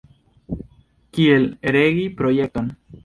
Kiel regi projekton?